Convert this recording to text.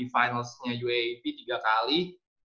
finalsnya uaap tiga kali